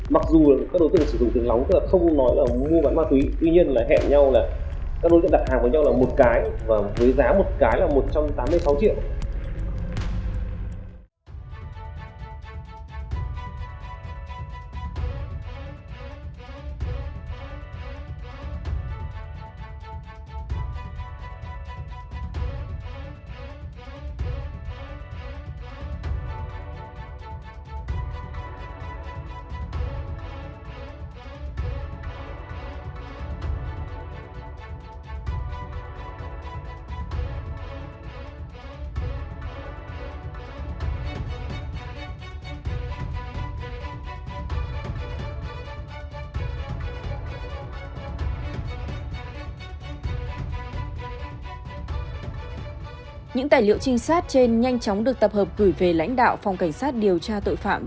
mặc dù các đối tượng sử dụng tiếng lóng tức là không nói là mua quán ma túy